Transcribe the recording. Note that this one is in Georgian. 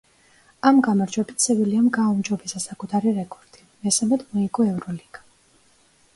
ამ გამარჯვებით „სევილიამ“ გააუმჯობესა საკუთარი რეკორდი, მესამედ მოიგო ევროპა ლიგა.